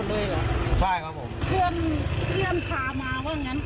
เพื่อนเที่ยนพามาว่างั้น